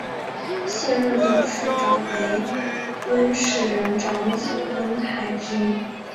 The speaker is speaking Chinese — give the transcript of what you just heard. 现任董事长为温世仁长子温泰钧。